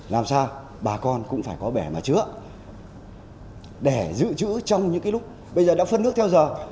làm sao bà con cũng phải có bẻ mà chứa để giữ chữ trong những lúc bây giờ đã phân nước theo giờ